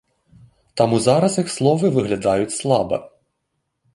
Таму зараз іх словы выглядаюць слаба.